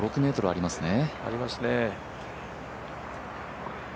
ありますね。